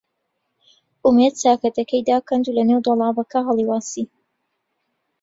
ئومێد چاکەتەکەی داکەند و لەنێو دۆڵابەکە هەڵی واسی.